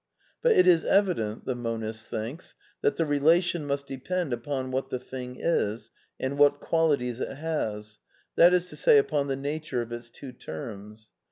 But it is evident (the Monist thinks) that the relation must depend upon what the thing is, and what qualities it has, that is to say, upon the nature of its two terms.